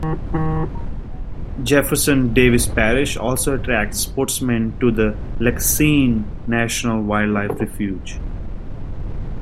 Jefferson Davis Parish also attracts sportsmen to the Lacassine National Wildlife Refuge.